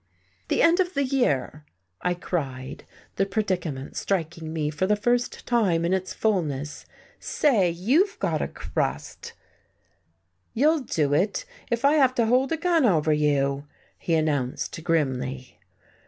"The end of the year!" I cried, the predicament striking me for the first time in its fulness. "Say, you've got a crust!" "You'll do it, if I have to hold a gun over you," he announced grimly.